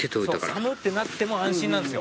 「寒っ！ってなっても安心なんですよ」